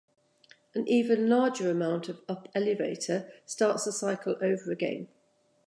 An even larger amount of up elevator starts the cycle over again.